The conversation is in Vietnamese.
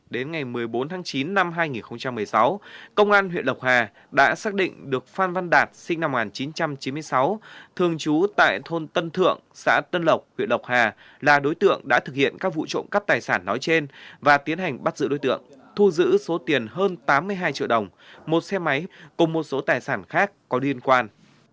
đến ngày một mươi bốn tháng chín năm hai nghìn một mươi sáu công an huyện lộc hà đã xác định được phan văn đạt sinh năm một nghìn chín trăm chín mươi sáu thường trú tại thôn tân thượng xã tân lộc huyện lộc hà là đối tượng đã thực hiện các vụ trộm cắp tài sản nói trên và tiến hành bắt giữ đối tượng thu giữ số tiền hơn tám mươi hai triệu đồng một xe máy cùng một số tài sản khác có liên quan